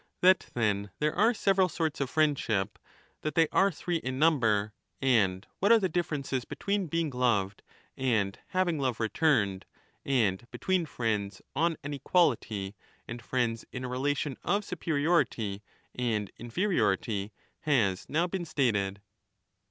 That, then, there are several sorts of friendship, that they are three in number, and what are the differences between being loved and having love returned, and between 5 friends on an equality and friends in a relation of superiority and inferiority, has now been stated.